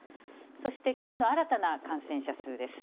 そしてきょうの新たな感染者数です。